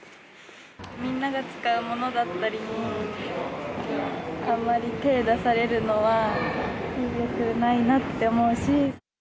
みんなが使うものだったり、あんまり手出されるのは、よくないなって思うし。